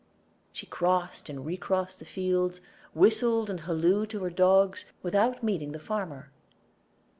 She crossed and recrossed the fields, whistled and hallooed to her dogs, without meeting the farmer.